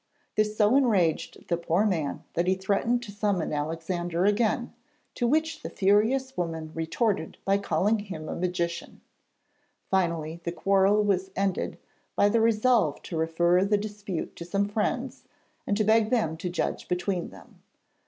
This so enraged the poor man that he threatened to summon Alexander again, to which the furious woman retorted by calling him a magician. Finally the quarrel was ended by the resolve to refer the dispute to some friends and to beg them to judge between them.